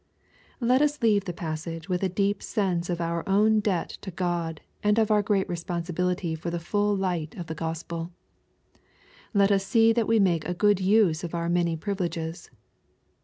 Let us leave the passage with a deep sense of our own debt to God and of our great responsibility for the full light of the Gospel. Let us see that we make a good use of our many privileges.